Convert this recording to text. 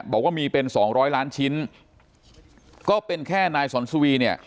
บอกว่ามีเป็นสองร้อยล้านชิ้นก็เป็นแค่นายสอนสุวีเนี่ย